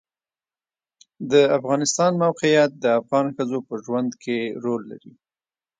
د افغانستان د موقعیت د افغان ښځو په ژوند کې رول لري.